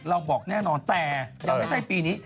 บอกแน่นอนแต่ยังไม่ใช่ปีนี้